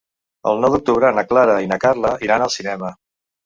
El nou d'octubre na Clara i na Carla iran al cinema.